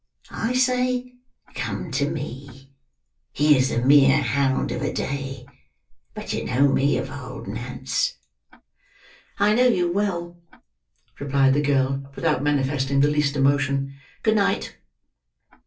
I say, come to me. He is the mere hound of a day, but you know me of old, Nance." "I know you well," replied the girl, without manifesting the least emotion. "Good night."